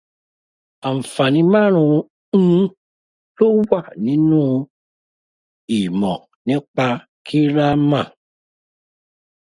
Àǹfààní márùn-ún lówà nínú ìmọ̀ nípa Gírámà.